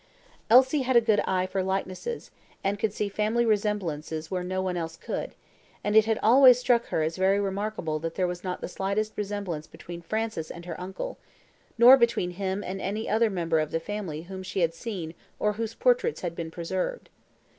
Elsie had a good eye for likenesses, and could see family resemblances where no one else could; and it had always struck her as very remarkable that there was not the slightest resemblance between Francis and her uncle, nor between him and any other member of the family whom she had seen or whose portraits had been preserved.